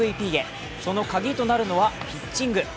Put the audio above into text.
その鍵となるのはピッチング。